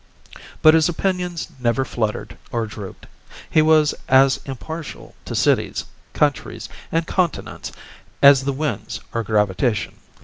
But his opinions never fluttered or drooped; he was as impartial to cities, countries and continents as the winds or gravitation.